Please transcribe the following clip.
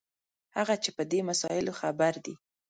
هغه چې په دې مسایلو خبر دي.